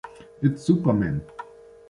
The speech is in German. It's Superman".